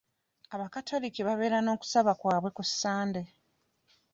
Abakatoliki babeera n'okusaba kwabwe ku Sande.